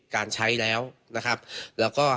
ทางนิติกรหมู่บ้านแจ้งกับสำนักงานเขตประเวท